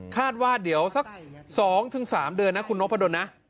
คาดว่าเดี๋ยวสัก๒๓เดือนนะคุณโน๊คพะดนนะ